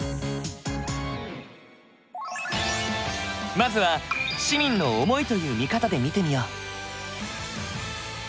まずは市民の思いという見方で見てみよう。